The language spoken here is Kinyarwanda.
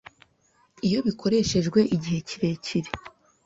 iyo bikoreshejwe igihe kirekire